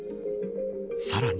さらに。